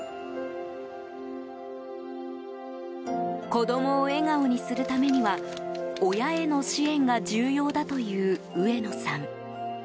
子供を笑顔にするためには親への支援が重要だという上野さん。